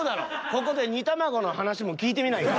ここで煮卵の話も聞いてみないか。